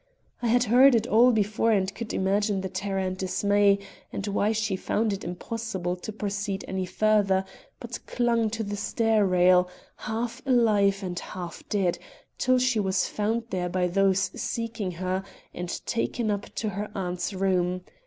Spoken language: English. I had heard it all before and could imagine her terror and dismay; and why she found it impossible to proceed any further, but clung to the stair rail, half alive and half dead, till she was found there by those seeking her and taken up to her aunt's room.